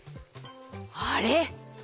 あれ？